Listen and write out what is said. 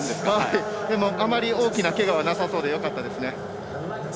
あまり大きなけがはなさそうでよかったですね。